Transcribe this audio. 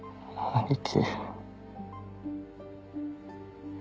兄貴。